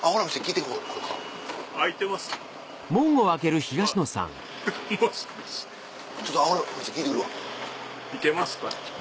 いけますか？